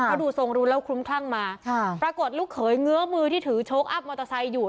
เพราะดูทรงรู้แล้วคลุ้มคลั่งมาปรากฏลูกเขยเงื้อมือที่ถือโชคอัพมอเตอร์ไซค์อยู่